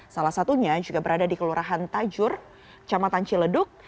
salah satunya juga berada di kelurahan tajur kecamatan ciledug